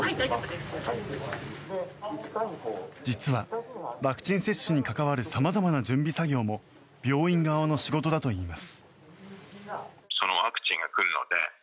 実はワクチン接種に関わる様々な準備作業も病院側の仕事だといいます。